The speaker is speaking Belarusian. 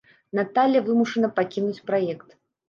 Наталля вымушана пакінуць праект.